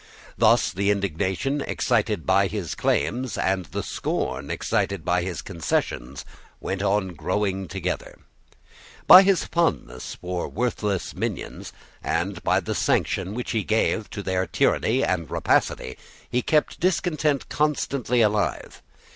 Thus the indignation excited by his claims and the scorn excited by his concessions went on growing together. By his fondness for worthless minions, and by the sanction which he gave to their tyranny and rapacity, he kept discontent constantly alive.